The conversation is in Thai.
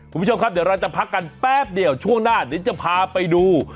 คุณผู้ชมครับเดี๋ยวเราจะพักกันแป๊บเดียวช่วงหน้าเดี๋ยวจะพาไปดู